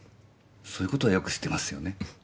そういうことはよく知ってますよね。